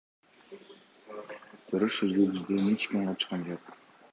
Жарыш сөзгө бизден эч ким катышкан жок.